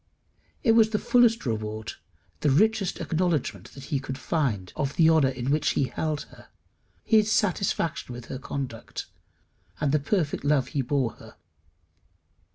It was the fullest reward, the richest acknowledgment he could find of the honour in which he held her, his satisfaction with her conduct, and the perfect love he bore her.